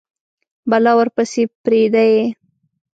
بلا ورپسي پریده یﺉ